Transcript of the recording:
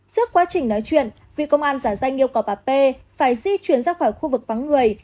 suốt quá trình nói chuyện vì công an giả danh yêu cầu bà p phải di chuyển ra khỏi khu vực vắng người